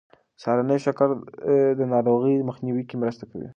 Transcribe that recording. سهارنۍ د شکر ناروغۍ مخنیوی کې مرسته کوي.